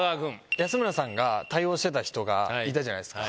安村さんが対応してた人がいたじゃないですか。